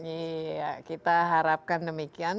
iya kita harapkan demikian